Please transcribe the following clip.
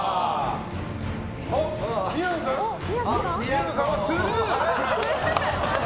みやぞんさんはスルー！